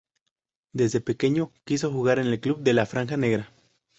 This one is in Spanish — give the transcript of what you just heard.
Desde pequeño quiso jugar en el club de "La Franja Negra".